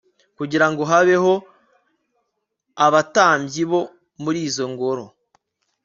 kugira ngo habeho abatambyi bo muri izo ngoro